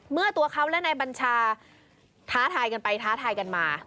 เมื่อตัวเขาและนายบัญชาท้าทายกันไปท้าทายกันมา